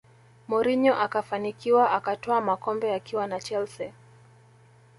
Mourinho akafanikiwa akatwaa makombe akiwa na chelsea